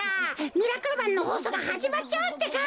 「ミラクルマン」のほうそうがはじまっちゃうってか。